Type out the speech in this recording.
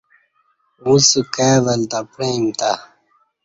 اݩڅ کائ ولتہ پعئیم تہ۔